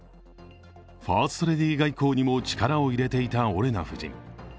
ファーストレディー外交にも力を入れていたオレナ夫人。